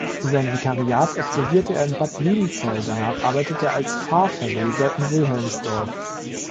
Sein Vikariat absolvierte er in Bad Liebenzell, danach arbeitete er als Pfarrverweser in Wilhelmsdorf.